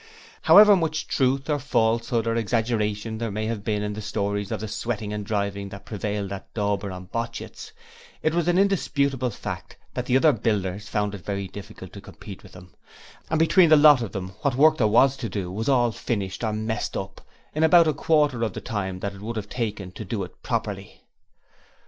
However much truth or falsehood or exaggeration there may have been in the stories of the sweating and driving that prevailed at Dauber and Botchit's, it was an indisputable fact that the other builders found it very difficult to compete with them, and between the lot of them what work there was to do was all finished or messed up in about a quarter of the time that it would have taken to do it properly.